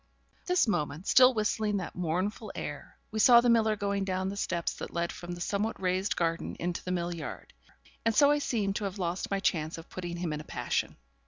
But at this moment, still whistling that mournful air, we saw the miller going down the steps that led from the somewhat raised garden into the mill yard; and so I seemed to have lost my chance of putting him in a passion.